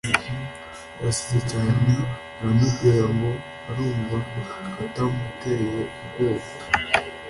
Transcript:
yasetse cyane aramubwirango arumva atamuteye ubwoba